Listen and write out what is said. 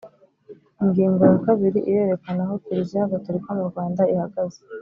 ingingo ya kabiri irerekana aho kiliziya gatolika mu rwanda ihagaze